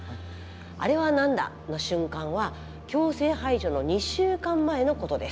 「あれはなんだ！」の瞬間は強制排除の２週間前のことです。